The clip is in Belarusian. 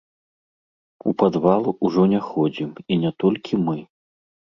У падвал ужо не ходзім, і не толькі мы.